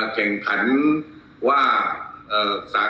ขอบคุณทุกคน